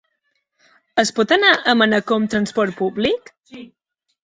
Es pot anar a Manacor amb transport públic?